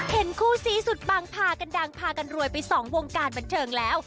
คู่ซีสุดบังพากันดังพากันรวยไปสองวงการบันเทิงแล้ว